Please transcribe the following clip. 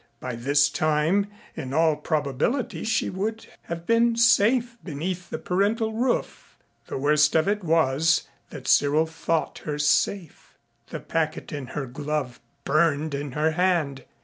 By this time, in all probability, she would have been safe beneath the parental roof. The worst of it was that Cyril thought her safe. The packet in her glove burned in her hand.